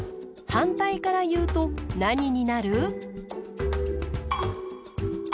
はんたいからいうとなにになる？